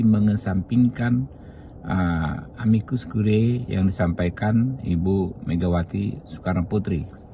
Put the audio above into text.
mengesampingkan amikus gure yang disampaikan ibu megawati soekarnoputri